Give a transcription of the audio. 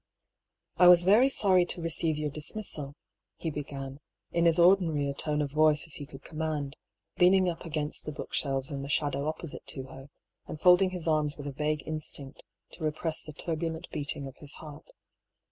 "I was very sorry to receive your dismissal," he began, in as ordinary a tone of voice as he could com mand, leaning up against the bookshelves in the shadow opposite to her, and folding his arms with a vague instinct to repress the turbulent beating of his heart.